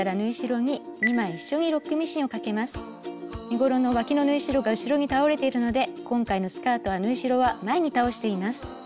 身ごろのわきの縫い代が後ろに倒れているので今回のスカートは縫い代は前に倒しています。